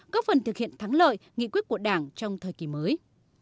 góp phần thực hiện thắng lợi nghị quyết của đảng trong thời kỳ mới